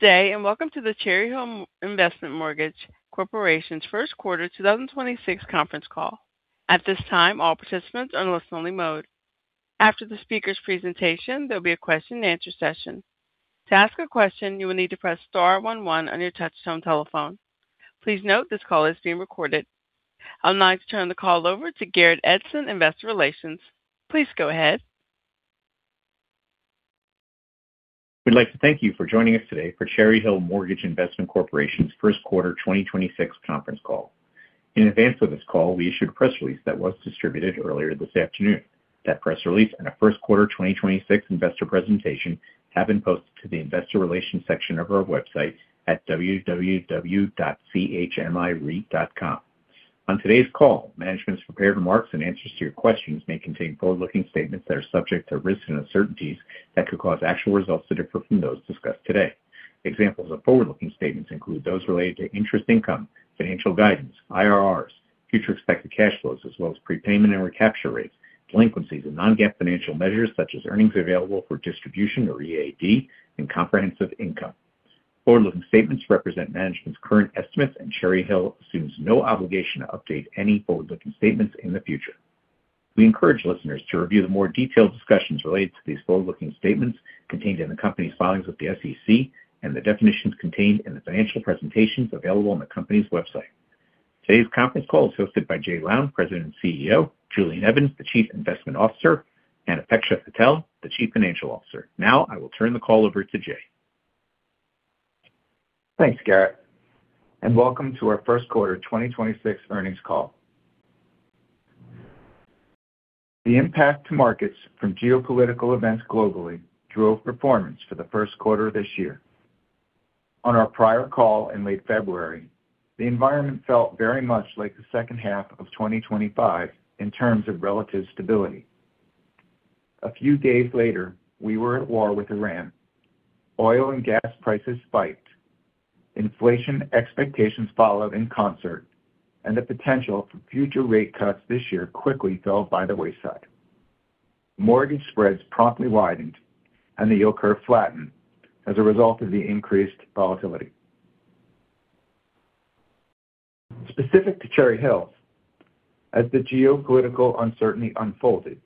Good day, and welcome to the Cherry Hill Mortgage Investment Corporation's first quarter 2026 conference call. At this time, all participants are in listen-only mode. After the speaker's presentation, there'll be a question and answer session. To ask a question, you will need to press star one one on your touchtone telephone. Please note this call is being recorded. I'd now like to turn the call over to Garrett Edson, Investor Relations. Please go ahead. We'd like to thank you for joining us today for Cherry Hill Mortgage Investment Corporation's first quarter 2026 conference call. In advance of this call, we issued a press release that was distributed earlier this afternoon. That press release and a first quarter 2026 investor presentation have been posted to the investor relations section of our website at www.chmireit.com. On today's call, management's prepared remarks and answers to your questions may contain forward-looking statements that are subject to risks and uncertainties that could cause actual results to differ from those discussed today. Examples of forward-looking statements include those related to interest income, financial guidance, IRRs, future expected cash flows, as well as prepayment and recapture rates, delinquencies and non-GAAP financial measures such as earnings available for distribution or EAD and comprehensive income. Forward-looking statements represent management's current estimates and Cherry Hill assumes no obligation to update any forward-looking statements in the future. We encourage listeners to review the more detailed discussions related to these forward-looking statements contained in the company's filings with the SEC and the definitions contained in the financial presentations available on the company's website. Today's conference call is hosted by Jay Lown, President and CEO, Julian Evans, the Chief Investment Officer, and Apeksha Patel, the Chief Financial Officer. I will turn the call over to Jay. Thanks, Garrett, and welcome to our first quarter 2026 earnings call. The impact to markets from geopolitical events globally drove performance for the first quarter this year. On our prior call in late February, the environment felt very much like the second half of 2025 in terms of relative stability. A few days later, we were at war with Iran. Oil and gas prices spiked, inflation expectations followed in concert, and the potential for future rate cuts this year quickly fell by the wayside. Mortgage spreads promptly widened and the yield curve flattened as a result of the increased volatility. Specific to Cherry Hill, as the geopolitical uncertainty unfolded,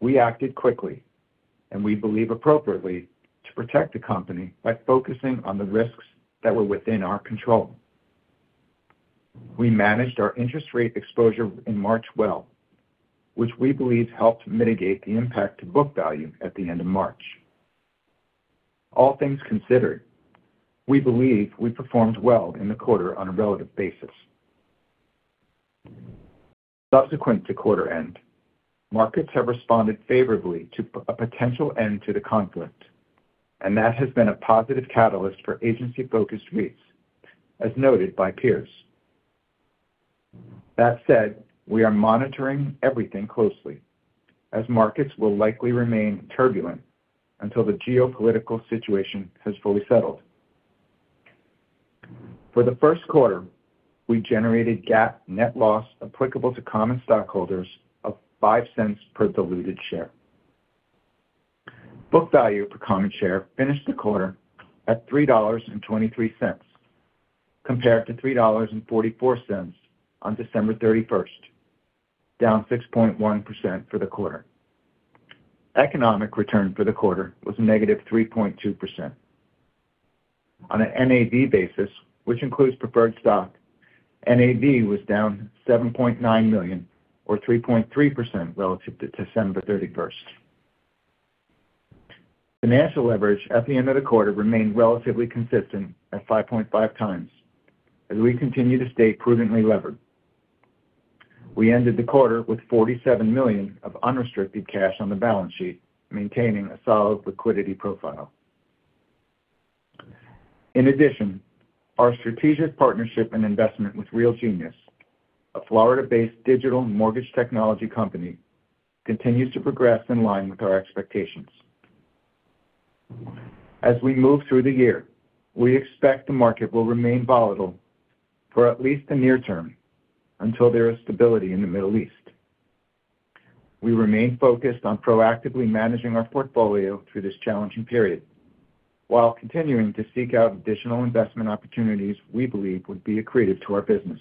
we acted quickly and we believe appropriately to protect the company by focusing on the risks that were within our control. We managed our interest rate exposure in March well, which we believe helped mitigate the impact to book value at the end of March. All things considered, we believe we performed well in the quarter on a relative basis. Subsequent to quarter end, markets have responded favorably to a potential end to the conflict, and that has been a positive catalyst for agency-focused REITs, as noted by peers. That said, we are monitoring everything closely as markets will likely remain turbulent until the geopolitical situation has fully settled. For the first quarter, we generated GAAP net loss applicable to common stockholders of $0.05 per diluted share. Book value per common share finished the quarter at $3.23, compared to $3.44 on December 31st, down 6.1% for the quarter. Economic return for the quarter was a -3.2%. On an NAV basis, which includes preferred stock, NAV was down $7.9 million or 3.3% relative to December 31st. Financial leverage at the end of the quarter remained relatively consistent at 5.5x as we continue to stay prudently levered. We ended the quarter with $47 million of unrestricted cash on the balance sheet, maintaining a solid liquidity profile. In addition, our strategic partnership and investment with Real Genius, a Florida-based digital mortgage technology company, continues to progress in line with our expectations. As we move through the year, we expect the market will remain volatile for at least the near term until there is stability in the Middle East. We remain focused on proactively managing our portfolio through this challenging period while continuing to seek out additional investment opportunities we believe would be accretive to our business.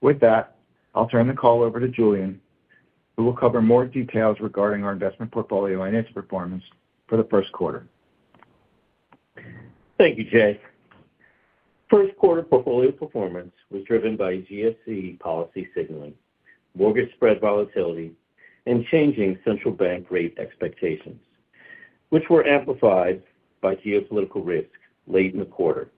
With that, I'll turn the call over to Julian, who will cover more details regarding our investment portfolio and its performance for the first quarter. Thank you, Jay. First quarter portfolio performance was driven by GSE policy signaling, mortgage spread volatility, and changing central bank rate expectations, which were amplified by geopolitical risk late in the quarter.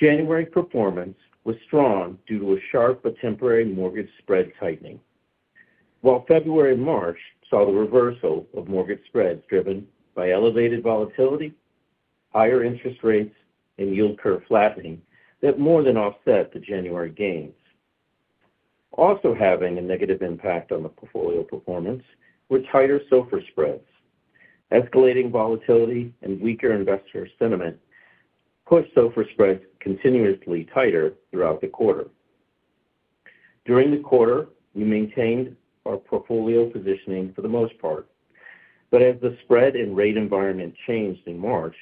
January performance was strong due to a sharp but temporary mortgage spread tightening. February and March saw the reversal of mortgage spreads driven by elevated volatility, higher interest rates, and yield curve flattening that more than offset the January gains. Having a negative impact on the portfolio performance were tighter SOFR spreads. Escalating volatility and weaker investor sentiment pushed SOFR spreads continuously tighter throughout the quarter. During the quarter, we maintained our portfolio positioning for the most part. As the spread and rate environment changed in March,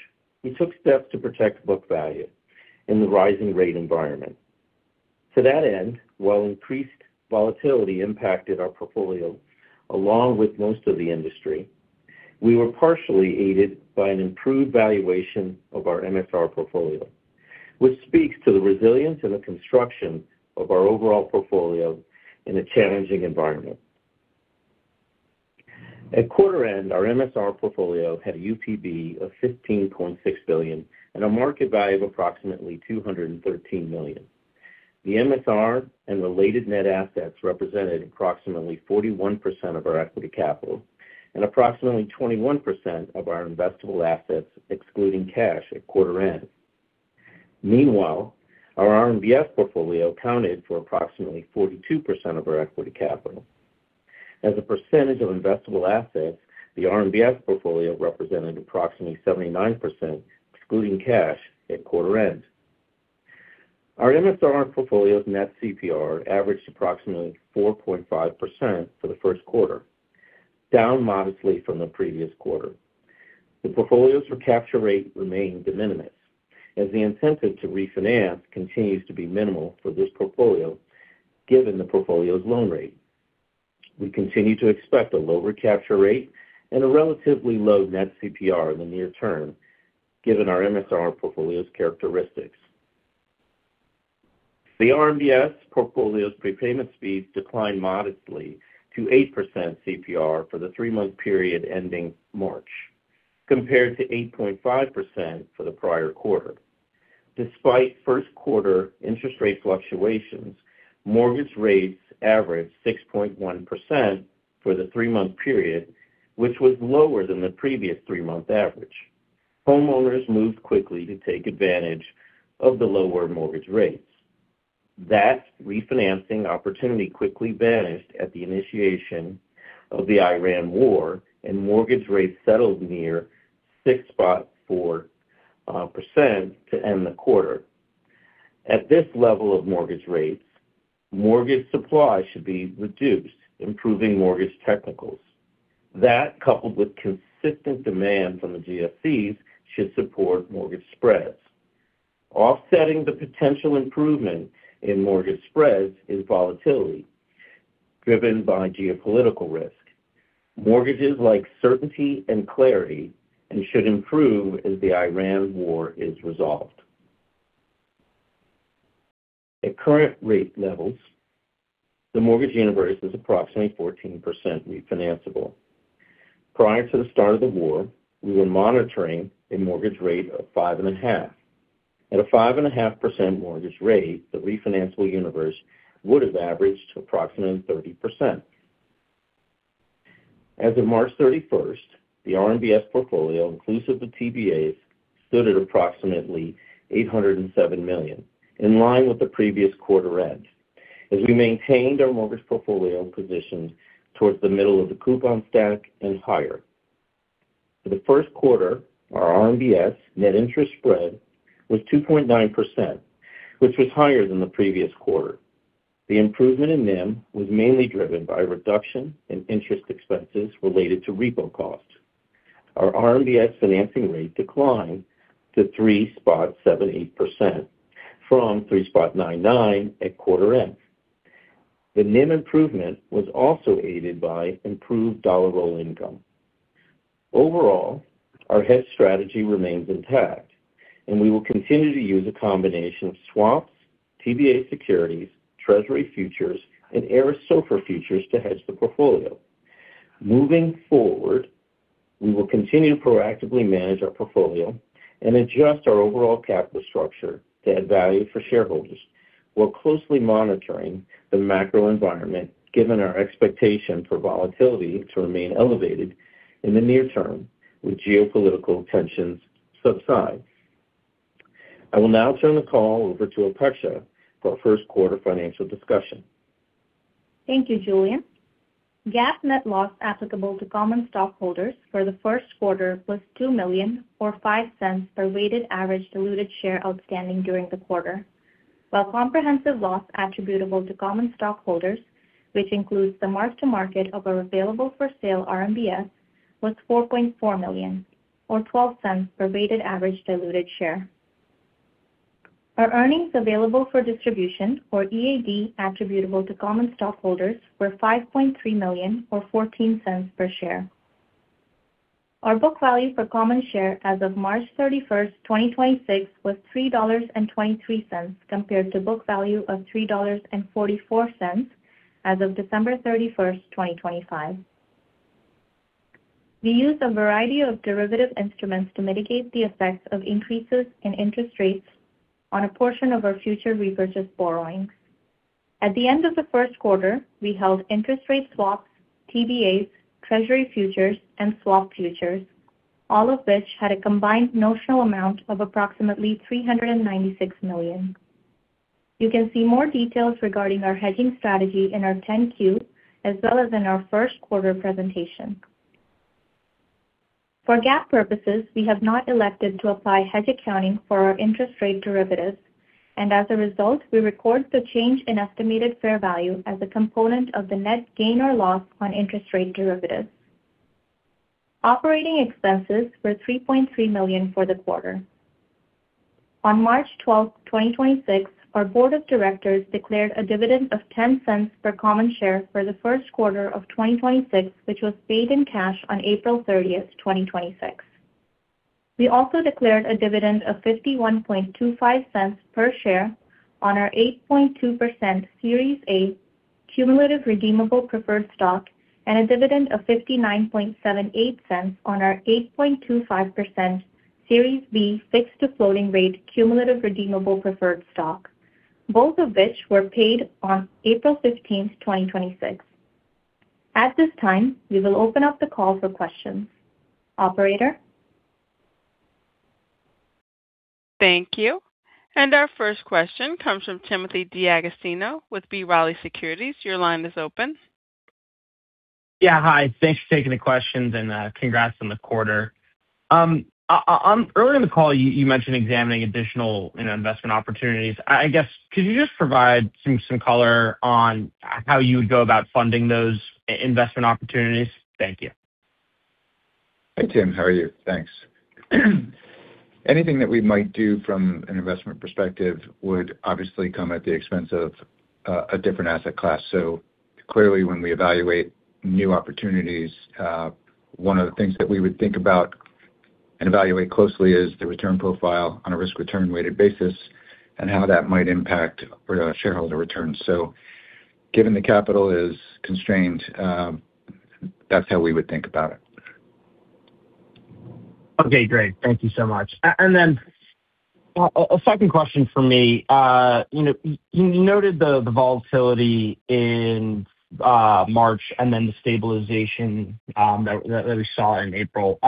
we took steps to protect book value in the rising rate environment. To that end, while increased volatility impacted our portfolio along with most of the industry, we were partially aided by an improved valuation of our MSR portfolio, which speaks to the resilience and the construction of our overall portfolio in a challenging environment. At quarter end, our MSR portfolio had a UPB of $15.6 billion and a market value of approximately $213 million. The MSR and related net assets represented approximately 41% of our equity capital and approximately 21% of our investable assets excluding cash at quarter end. Meanwhile, our RMBS portfolio accounted for approximately 42% of our equity capital. As a percentage of investable assets, the RMBS portfolio represented approximately 79% excluding cash at quarter end. Our MSR portfolio's net CPR averaged approximately 4.5% for the first quarter, down modestly from the previous quarter. The portfolio's recapture rate remained de minimis as the incentive to refinance continues to be minimal for this portfolio given the portfolio's loan rate. We continue to expect a low recapture rate and a relatively low net CPR in the near term given our MSR portfolio's characteristics. The RMBS portfolio's prepayment speeds declined modestly to 8% CPR for the three-month period ending March, compared to 8.5% for the prior quarter. Despite first quarter interest rate fluctuations, mortgage rates averaged 6.1% for the three-month period, which was lower than the previous three-month average. Homeowners moved quickly to take advantage of the lower mortgage rates. That refinancing opportunity quickly vanished at the initiation of the Iran War and mortgage rates settled near 6.4% to end the quarter. At this level of mortgage rates, mortgage supply should be reduced, improving mortgage technicals. That coupled with consistent demand from the GSEs should support mortgage spreads. Offsetting the potential improvement in mortgage spreads is volatility driven by geopolitical risk. Mortgages like certainty and clarity and should improve as the Iran war is resolved. At current rate levels, the mortgage universe is approximately 14% refinanceable. Prior to the start of the war, we were monitoring a mortgage rate of 5.5%. At a 5.5% mortgage rate, the refinanceable universe would have averaged approximately 30%. As of March 31st, the RMBS portfolio inclusive of TBAs stood at approximately $807 million, in line with the previous quarter end as we maintained our mortgage portfolio positioned towards the middle of the coupon stack and higher. For the first quarter, our RMBS net interest spread was 2.9%, which was higher than the previous quarter. The improvement in NIM was mainly driven by reduction in interest expenses related to repo costs. Our RMBS financing rate declined to 3.78% from 3.99% at quarter end. The NIM improvement was also aided by improved dollar roll income. Overall, our hedge strategy remains intact, and we will continue to use a combination of swaps, TBA securities, Treasury futures, and Eris SOFR futures to hedge the portfolio. We will continue to proactively manage our portfolio and adjust our overall capital structure to add value for shareholders while closely monitoring the macro environment given our expectation for volatility to remain elevated in the near term with geopolitical tensions subside. I will now turn the call over to Apeksha for first quarter financial discussion. Thank you, Julian. GAAP net loss applicable to common stockholders for the first quarter was $2 million or $0.05 per weighted average diluted share outstanding during the quarter, while comprehensive loss attributable to common stockholders, which includes the mark-to-market of our available-for-sale RMBS, was $4.4 million or $0.12 per weighted average diluted share. Our earnings available for distribution, or EAD, attributable to common stockholders were $5.3 million or $0.14 per share. Our book value for common share as of March 31st, 2026 was $3.23 compared to book value of $3.44 as of December 31st, 2025. We use a variety of derivative instruments to mitigate the effects of increases in interest rates on a portion of our future repurchase borrowings. At the end of the first quarter, we held interest rate swaps, TBAs, Treasury futures and swap futures, all of which had a combined notional amount of approximately $396 million. You can see more details regarding our hedging strategy in our 10-Q as well as in our first quarter presentation. For GAAP purposes, we have not elected to apply hedge accounting for our interest rate derivatives. As a result, we record the change in estimated fair value as a component of the net gain or loss on interest rate derivatives. Operating expenses were $3.3 million for the quarter. On March 12th, 2026, our board of directors declared a dividend of $0.10 per common share for the first quarter of 2026, which was paid in cash on April 30th, 2026. We also declared a dividend of $51.25 per share on our 8.20% Series A Cumulative Redeemable Preferred Stock and a dividend of $59.78 on our 8.25% Series B Fixed-to-Floating Rate Cumulative Redeemable Preferred Stock, both of which were paid on April 15th, 2026. At this time, we will open up the call for questions. Operator? Thank you. Our first question comes from Timothy D'Agostino with B. Riley Securities. Your line is open. Yeah, hi. Thanks for taking the questions, congrats on the quarter. Earlier in the call, you mentioned examining additional, you know, investment opportunities. I guess, could you just provide some color on how you would go about funding those investment opportunities? Thank you. Hey, Tim. How are you? Thanks. Anything that we might do from an investment perspective would obviously come at the expense of a different asset class. Clearly, when we evaluate new opportunities, one of the things that we would think about and evaluate closely is the return profile on a risk-return weighted basis and how that might impact shareholder returns. Given the capital is constrained, that's how we would think about it. Okay, great. Thank you so much. Then, a second question from me. You know, you noted the volatility in March and then the stabilization that we saw in April.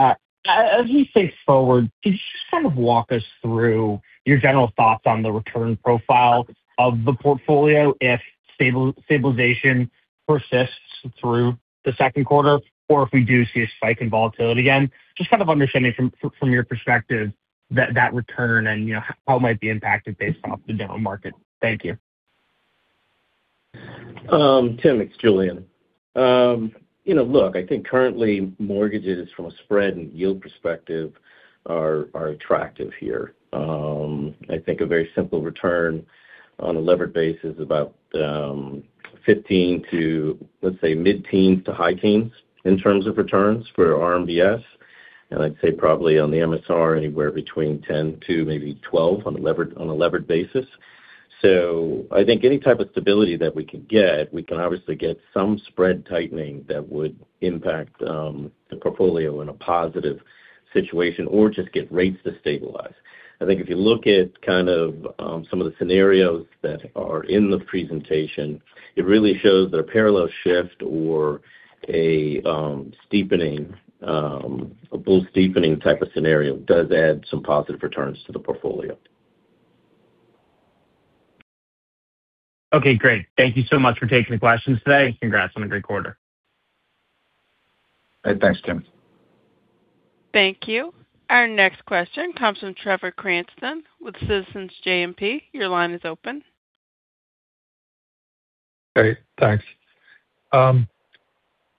As we think forward, could you just kind of walk us through your general thoughts on the return profile of the portfolio if stabilization persists through the second quarter, or if we do see a spike in volatility again? Just kind of understanding from your perspective that return and, you know, how it might be impacted based off the general market. Thank you. Tim, it's Julian. You know, look, I think currently mortgages from a spread and yield perspective are attractive here. I think a very simple return on a levered basis is about 15% to, let's say, mid-teens to high teens in terms of returns for RMBS. I'd say probably on the MSR, anywhere between 10% to maybe 12% on a levered basis. I think any type of stability that we can get, we can obviously get some spread tightening that would impact the portfolio in a positive situation or just get rates to stabilize. I think if you look at kind of some of the scenarios that are in the presentation, it really shows that a parallel shift or a steepening, a bull steepening type of scenario does add some positive returns to the portfolio. Okay, great. Thank you so much for taking the questions today. Congrats on a great quarter. Hey, thanks, Tim. Thank you. Our next question comes from Trevor Cranston with Citizens JMP. Your line is open. Great. Thanks.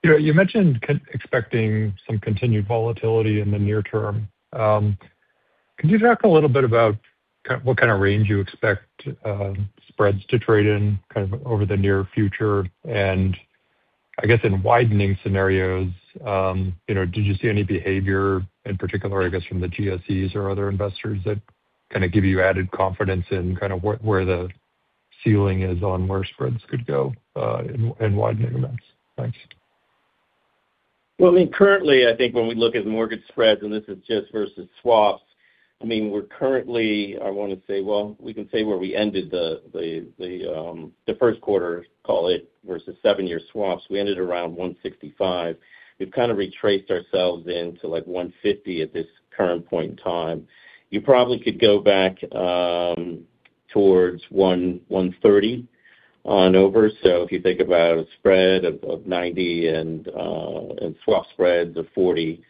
You know, you mentioned expecting some continued volatility in the near term. Could you talk a little bit about what kind of range you expect, spreads to trade in kind of over the near future? I guess in widening scenarios, you know, did you see any behavior in particular, I guess, from the GSEs or other investors that kinda give you added confidence in kind of where the ceiling is on where spreads could go, in widening events? Thanks. I mean, currently, I think when we look at mortgage spreads, and this is just versus swaps, I mean, we're currently, I wanna say, well, we can say where we ended the first quarter, call it, versus seven-year swaps. We ended around 165. We've kind of retraced ourselves into, like, 150 at this current point in time. You probably could go back towards 130 on over. If you think about a spread of 90 and swap spreads of 40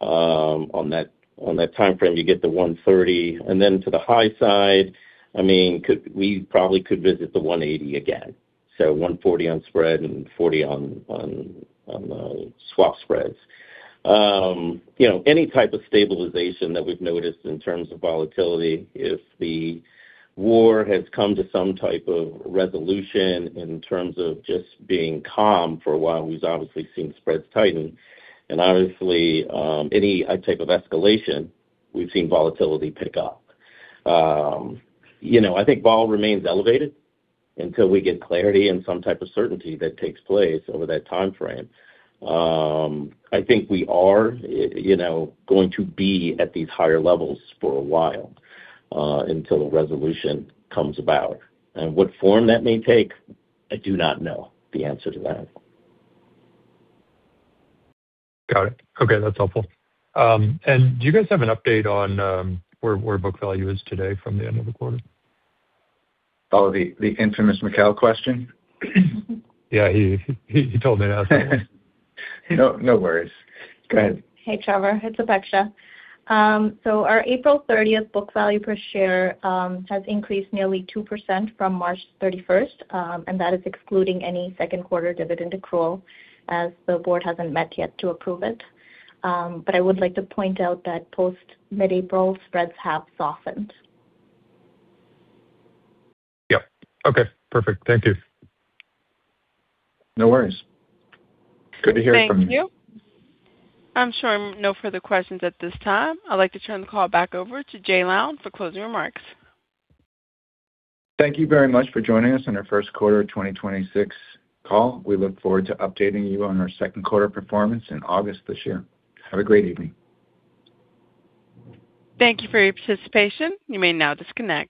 on that timeframe, you get to 130. To the high side, I mean, we probably could visit the 180 again. 140 on spread and 40 on swap spreads. You know, any type of stabilization that we've noticed in terms of volatility, if the war has come to some type of resolution in terms of just being calm for a while, we've obviously seen spreads tighten. Obviously, any type of escalation, we've seen volatility pick up. You know, I think vol remains elevated until we get clarity and some type of certainty that takes place over that timeframe. I think we are, you know, going to be at these higher levels for a while, until a resolution comes about. What form that may take, I do not know the answer to that. Got it. Okay, that's helpful. Do you guys have an update on where book value is today from the end of the quarter? Oh, the infamous Mikhail question? Yeah, he told me to ask that. No, no worries. Go ahead. Hey, Trevor. It's Apeksha. Our April 30th book value per share has increased nearly 2% from March 31st. That is excluding any second quarter dividend accrual as the board hasn't met yet to approve it. I would like to point out that post-mid-April spreads have softened. Yep. Okay, perfect. Thank you. No worries. Good to hear from you. Thank you. I'm showing no further questions at this time. I'd like to turn the call back over to Jay Lown for closing remarks. Thank you very much for joining us on our first quarter of 2026 call. We look forward to updating you on our second quarter performance in August this year. Have a great evening. Thank you for your participation. You may now disconnect.